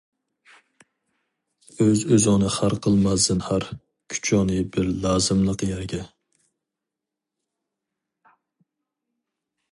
ئۆز-ئۆزۈڭنى خار قىلما زىنھار، كۈچۈڭنى بەر لازىملىق يەرگە.